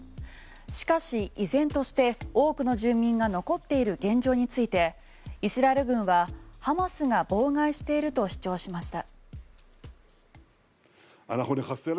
しかし、依然として多くの住民が残っている現状についてイスラエル軍はハマスが妨害していると主張しました。